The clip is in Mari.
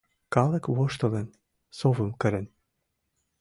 Калык воштылын, совым кырен.